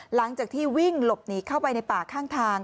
หลังจากที่วิ่งหลบหนีเข้าไปในป่าข้างทาง